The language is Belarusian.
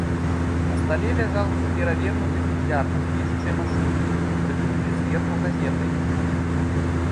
На стале ляжаў перавернуты футляр ад пішучай машынкі, прыкрыты зверху газетай.